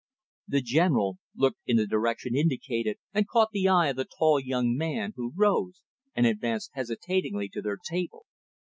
The General looked in the direction indicated, and caught the eye of the tall young man, who rose, and advanced hesitatingly to their table.